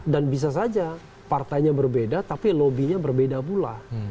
dan bisa saja partainya berbeda tapi lobbynya berbeda pula